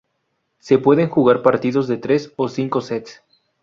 Se pueden jugar partidos de tres o cinco sets.